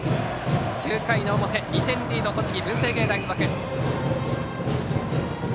９回の表、２点リード栃木・文星芸大付属。